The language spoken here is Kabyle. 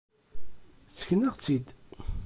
Ssken-aɣ-tt-id!